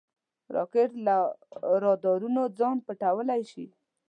راکټ له رادارونو ځان پټولی شي